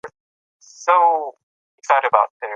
سياسي واټن لا زيات شو.